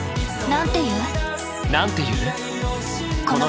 なんて言う？